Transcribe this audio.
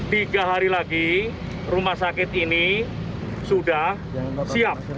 tiga hari lagi rumah sakit ini sudah siap